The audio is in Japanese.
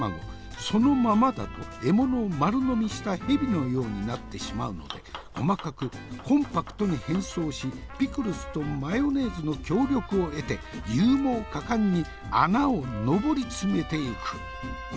そのままだと獲物を丸飲みした蛇のようになってしまうので細かくコンパクトに変装しピクルスとマヨネーズの協力を得て勇猛果敢に穴を上り詰めてゆく。